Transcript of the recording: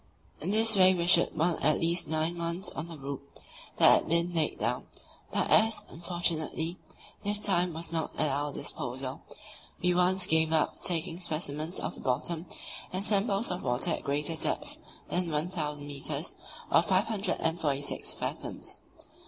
In this way we should want at least nine months on the route that had been laid down; but as, unfortunately, this time was not at our disposal, we at once gave up taking specimens of the bottom and samples of water at greater depths than 1,000 metres (546 fathoms).